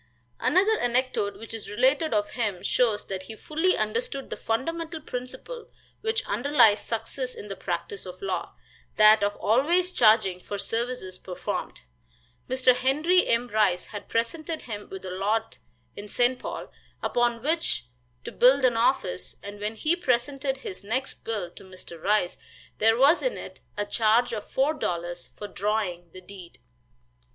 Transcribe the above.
Another anecdote which is related of him shows that he fully understood the fundamental principle which underlies success in the practice of law that of always charging for services performed. Mr. Henry M. Rice had presented him with a lot in St. Paul, upon which to build an office, and when he presented his next bill to Mr. Rice there was in it a charge of four dollars for drawing the deed.